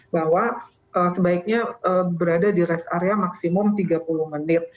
bahwa sebaiknya berada di rest area maksimum tiga puluh menit